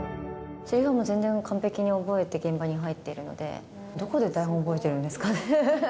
せりふも全然完璧に覚えて現場に入っているので、どこで台本覚えてるんですか？